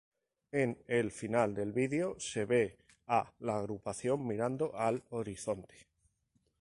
En el final del vídeo se ve a la agrupación mirando al horizonte.